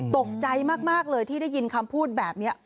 ตกใจมากเลยที่ได้ยินคำพูดแบบนี้